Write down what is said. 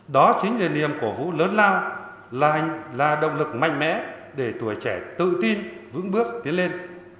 đó chính là niềm cổ vũ lớn lao là động lực mạnh mẽ để tuổi trẻ tự tin vững bước tiến lên